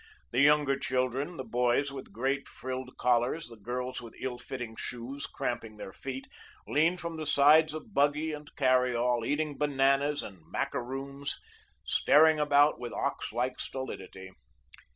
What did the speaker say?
The younger children, the boys with great frilled collars, the girls with ill fitting shoes cramping their feet, leaned from the sides of buggy and carry all, eating bananas and "macaroons," staring about with ox like stolidity.